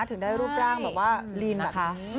ถึงได้รูปร่างแบบว่าลีนแบบนี้